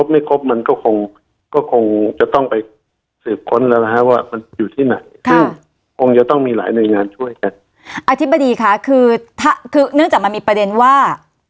มีหลายหน่วยกันอธิบดีค่ะคือเนื่องจากมันมีประเด็นว่า